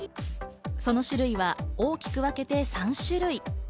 その種類は大きく分けて３種類。